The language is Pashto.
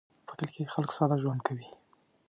په کلي کې خلک ساده ژوند کوي